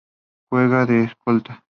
Juega de escolta.